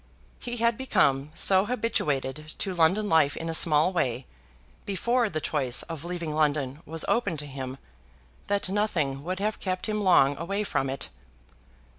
He had become so habituated to London life in a small way, before the choice of leaving London was open to him, that nothing would have kept him long away from it.